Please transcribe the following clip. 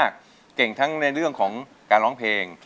เก่งทั้งในเรื่องของการร้องเพลง